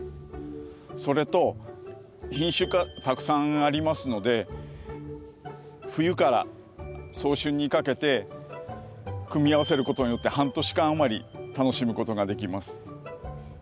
それと品種がたくさんありますので冬から早春にかけて組み合わせることによって半年間余り楽しむことができます。